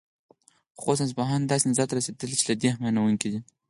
خو اوس ساینسپوهان داسې نظر ته رسېدلي چې له دې هم حیرانوونکی دی.